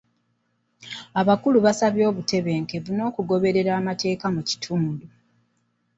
Abakulu basabye obutebenkevu n'okugoberera amateeka mu kitundu.